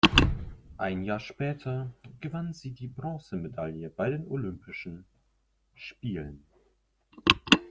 Ein Jahr später gewann sie die Bronzemedaille bei den Olympischen Spielen.